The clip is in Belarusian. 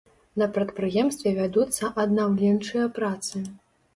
На прадпрыемстве вядуцца аднаўленчыя працы.